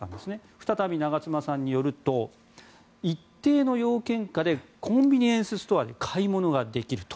再び長妻さんによると一定の要件下でコンビニエンスストアで買い物ができると。